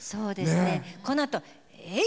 このあと「えい！」